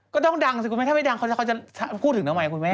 ก็ต้องดังสิคุณแม่ถ้าไม่ดังเขาจะพูดถึงทำไมคุณแม่